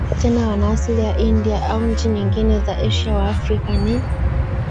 tena wana asili ya India au nchi nyingine za Asia Waafrika ni